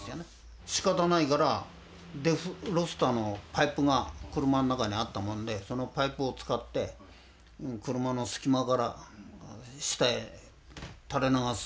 しかたないからデフロスターのパイプが車の中にあったもんでそのパイプを使って車の隙間から下へ垂れ流す形でね。